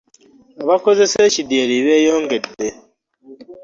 Abakozesa ekidyeri beeyongedde.